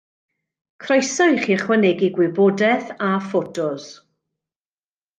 Croeso i chi ychwanegu gwybodaeth a ffotos.